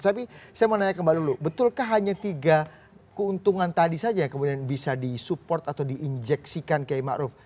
tapi saya mau nanya kembali dulu betulkah hanya tiga keuntungan tadi saja yang kemudian bisa disupport atau diinjeksikan kiai ⁇ maruf ⁇